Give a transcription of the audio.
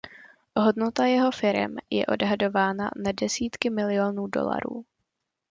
Hodnota jeho firem je odhadována na desítky milionů dolarů.